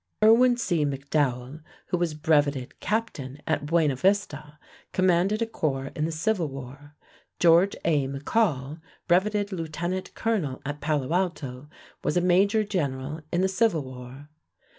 Irwin C. McDowell, who was brevetted captain at Buena Vista, commanded a corps in the Civil War. George A. McCall, brevetted lieutenant colonel at Palo Alto, was a major general in the Civil War.